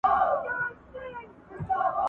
ده چي د ځايي خلګو لخوا